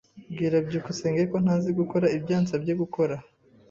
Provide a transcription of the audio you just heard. Bwira byukusenge ko ntazi gukora ibyo yansabye gukora.